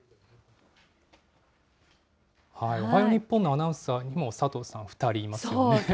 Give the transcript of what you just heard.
おはよう日本のアナウンサーにも佐藤さん、２人いますよね。